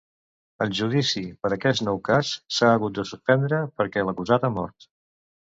El judici per aquest nou cas s'ha hagut de suspendre perquè l'acusat ha mort.